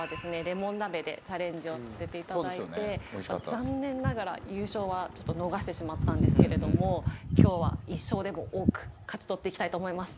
レモン鍋でチャレンジをさせていただいて残念ながら優勝はちょっと逃してしまったんですけれども今日は１勝でも多く勝ち取っていきたいと思います。